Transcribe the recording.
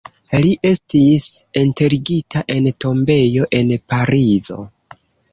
Li estis enterigita en tombejo en Parizo.